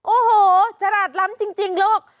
โอ้โหฉลาดล้ำจริงลูก